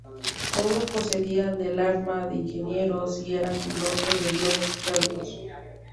Todos procedían del Arma de Ingenieros y eran pilotos de globo expertos.